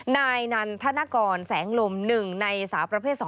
นายนันต์ธนกรแสงลมหนึ่งในสาวประเภท๒